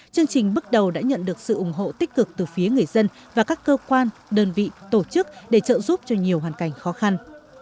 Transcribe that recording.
chương trình bước đầu đã nhận được sự ủng hộ tích cực từ phía người dân và các cơ quan đơn vị tổ chức để trợ giúp cho nhiều hoàn cảnh khó khăn